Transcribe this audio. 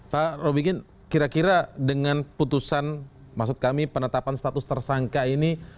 pak robikin kira kira dengan putusan maksud kami penetapan status tersangka ini